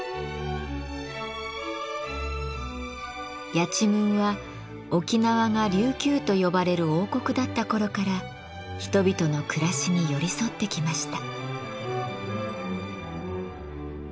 やちむんは沖縄が琉球と呼ばれる王国だった頃から人々の暮らしに寄り添ってきました。